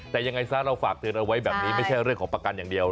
แต่ยังไงซะเราฝากเตือนเอาไว้แบบนี้ไม่ใช่เรื่องของประกันอย่างเดียว